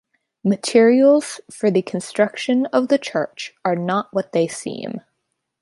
Materials for the construction of the church are not what they seem.